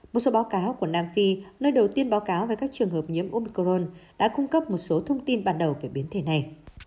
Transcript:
một số báo cáo của nam phi nơi đầu tiên báo cáo về các trường hợp nhiễm omcron đã cung cấp một số thông tin ban đầu về biến thể này